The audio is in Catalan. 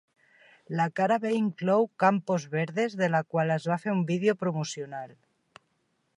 La cara B inclou "Campos verdes", de la qual es va fer un vídeo promocional.